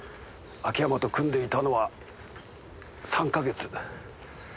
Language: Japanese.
秋山と組んでいたのは３か月。